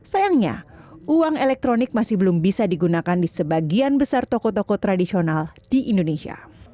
sayangnya uang elektronik masih belum bisa digunakan di sebagian besar toko toko tradisional di indonesia